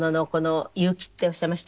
結城っておっしゃいました？